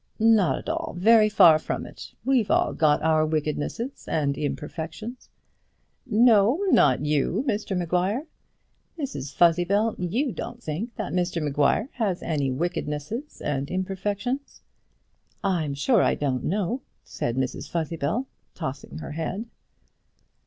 "Not at all; very far from it. We've all got our wickednesses and imperfections." "No, no, not you, Mr Maguire. Mrs Fuzzybell, you don't think that Mr Maguire has any wickednesses and imperfections?" "I'm sure I don't know," said Mrs Fuzzybell, tossing her head.